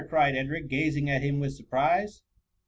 '^ cried Edric, gazing at him with surprise.